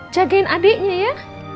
jagain adiknya ya